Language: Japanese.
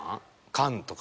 缶とか。